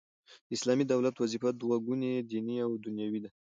د اسلامي دولت وظیفه دوه ګونې دیني او دنیوې ده.